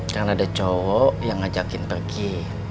karena ada cowok yang ngajakin pergi